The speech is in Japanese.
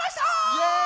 イェーイ！